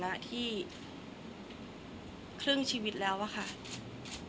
คนเราถ้าใช้ชีวิตมาจนถึงอายุขนาดนี้แล้วค่ะ